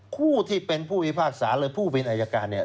ผู้ที่เป็นผู้พิพากษาหรือผู้เป็นอายการเนี่ย